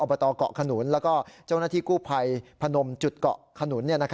บตเกาะขนุนแล้วก็เจ้าหน้าที่กู้ภัยพนมจุดเกาะขนุน